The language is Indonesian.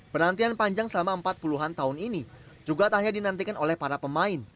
penantian panjang selama empat puluh an tahun ini juga tak hanya dinantikan oleh para pemain